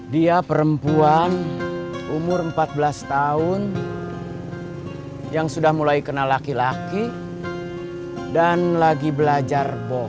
dia perempuan umur empat belas tahun yang sudah mulai kenal laki laki dan lagi belajar bom